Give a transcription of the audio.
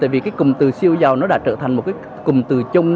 tại vì cái cùng từ siêu giàu nó đã trở thành một cái cùng từ chung